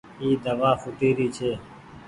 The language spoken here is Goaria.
اي دوآ ڦوٽي ري ڇي۔